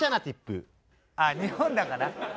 ああ日本だから？